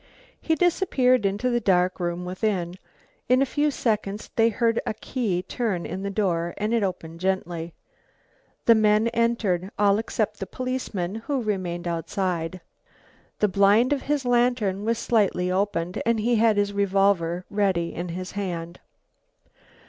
He disappeared into the dark room within. In a few seconds they heard a key turn in the door and it opened gently. The men entered, all except the policeman, who remained outside. The blind of his lantern was slightly opened, and he had his revolver ready in his hand.